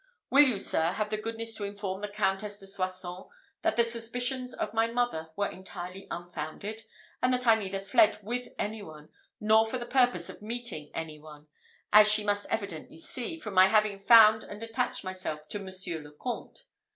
Will you, sir, have the goodness to inform the Countess de Soissons that the suspicions of my mother were entirely unfounded, and that I neither fled with any one, nor for the purpose of meeting any one, as she must evidently see, from my having found and attached myself to Monsieur le Comte.